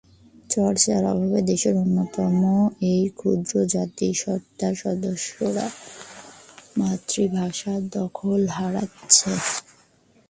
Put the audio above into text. চর্চার অভাবে দেশের অন্যতম এই ক্ষুদ্র জাতিসত্তার সদস্যরা মাতৃভাষায় দখল হারাচ্ছে।